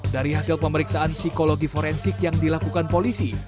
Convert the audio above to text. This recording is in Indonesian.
dari hasil pemeriksaan psikologi forensik yang dilakukan polisi